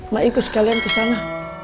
ma ikut sekalian kesana